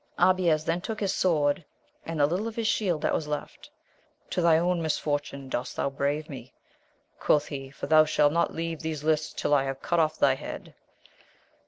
Abies then took his sword and the little of his shield that was left ; To thy own misfortune dost thou brave me, quoth he, for thou shalt not leave these lists till I have cut off thy head.